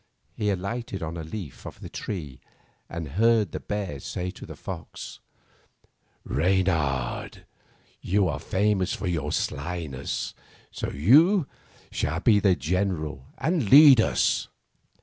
He alighted on a leaf of the tree and heard the bear say to the fox. 86 Fairy Tale Bears ''Reynard, you are famous for your slyness, so you shall be our general and lead us."